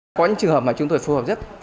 có những trường hợp mà chúng tôi phù hợp nhất